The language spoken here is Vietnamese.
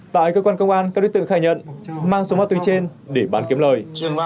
tại cơ quan công an các đối tượng khai nhận mang số ma túy trên để bán kiếm lời